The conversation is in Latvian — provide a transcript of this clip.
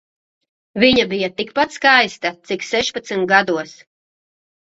Viņa bija tikpat skaista cik sešpadsmit gados.